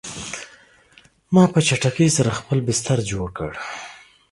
ما په چټکۍ سره خپل بستر جوړ کړ